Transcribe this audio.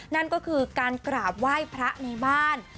นั่นก็คือการกราบไหว้พระในบ้าน